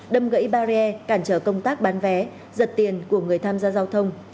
đâm gãy barrier cản trở công tác bán vé giật tiền của người tham gia giao thông